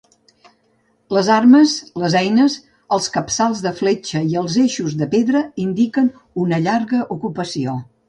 Les armes, les eines, els capçals de fletxa i els eixos de pedra indiquen una llarga ocupació.